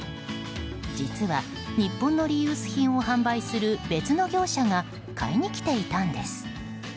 実は日本のリユース品を販売する別の業者が買いに来ていたんです。